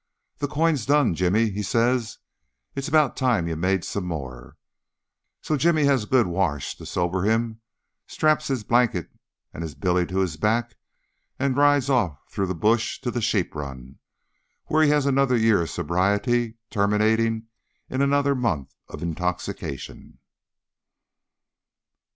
"The coin's done, Jimmy," he says; "it's about time you made some more." So Jimmy has a good wash to sober him, straps his blanket and his billy to his back, and rides off through the bush to the sheeprun, where he has another year of sobriety, terminating in another month of intoxication.